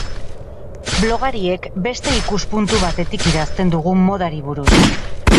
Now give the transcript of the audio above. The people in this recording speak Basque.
Blogariek beste ikuspuntu batetik idazten dugu modari buruz.